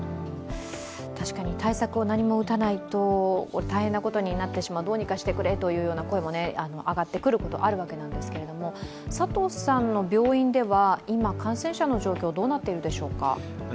確かに対策を何も打たないと大変なことになってしまう、どうにかしてくれという声も上がってくることがあるんですけれども、佐藤さんの病院では今、感染者の状況どうなっているでしょうか？